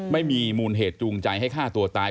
ไม่มีมูลเหตุจูงใจให้ฆ่าตัวตาย